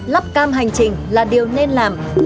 lắp cam hành trình là điều nên làm